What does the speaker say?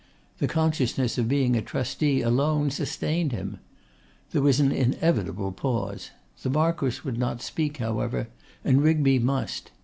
The consciousness of being a trustee alone sustained him. There was an inevitable pause. The Marquess would not speak however, and Rigby must.